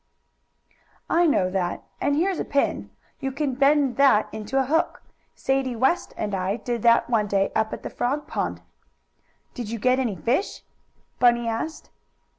"I know that. And here's a pin. You can bend that into a hook. Sadie West and I did that one day up at the frog pond." "Did you get any fish?" Bunny asked.